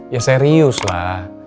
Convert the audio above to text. ya serius lah